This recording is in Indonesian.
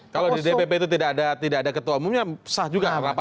kalau di dpp itu tidak ada ketua umumnya sah juga rapat